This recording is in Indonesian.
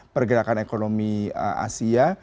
pergerakan ekonomi asia